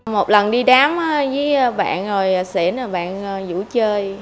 một lần đi đám với bạn xỉn bạn vũ chơi